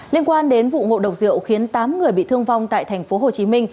liên quan đến vụ ngộ độc rượu khiến tám người bị thương vong tại tp hcm